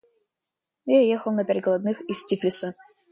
Я ехал на перекладных из Тифлиса.